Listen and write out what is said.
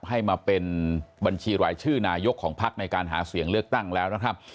ให้มาเป็นบัญชีรายชื่อนายกของพักในการหาเสียงเลือกตั้งแล้วนะครับ